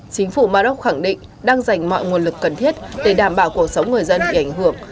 chính phủ maroc khẳng định đang dành mọi nguồn lực cần thiết để đảm bảo cuộc sống người dân bị ảnh hưởng